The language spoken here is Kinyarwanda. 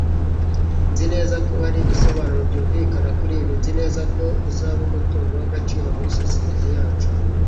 Nzi neza ko hari ibisobanuro byumvikana kuri ibi. Nzi neza ko uzaba umutungo w'agaciro muri sosiyete yacu.